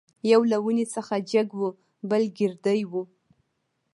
یو له ونې څخه جګ وو بل ګردی وو.